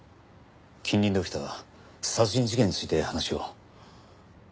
近隣で起きた殺人事件について話を。